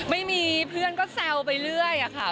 ไม่มีเพื่อนก็แซวไปเรื่อยค่ะ